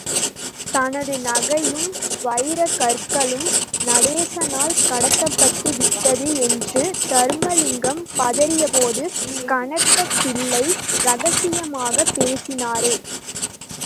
தனது நகையும் வைரக்கற்களும் நடேசனால் கடத்தப்பட்டுவிட்டது என்று தருமலிங்கம் பதறியபோது கணக்கப் பிள்ளை ரகசியமாகப் பேசினாரே!